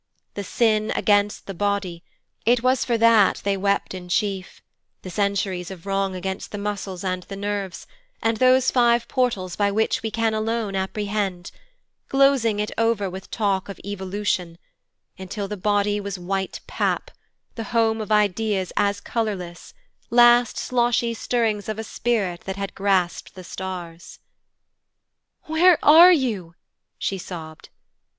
The sin against the body it was for that they wept in chief; the centuries of wrong against the muscles and the nerves, and those five portals by which we can alone apprehend glozing it over with talk of evolution, until the body was white pap, the home of ideas as colourless, last sloshy stirrings of a spirit that had grasped the stars. 'Where are you?' she sobbed.